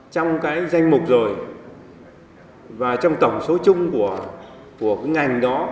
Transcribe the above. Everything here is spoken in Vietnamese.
trong cái danh mục rồi và trong tổng số chung của cái ngành đó